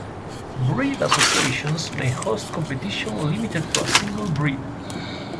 Breed associations may host competition limited to a single breed.